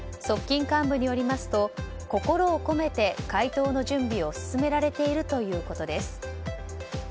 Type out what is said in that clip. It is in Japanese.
側近幹部によりますと心を込めて回答の準備を進められているということです。